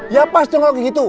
ya pas dong kayak gitu